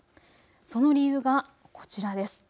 その理由がこちらです。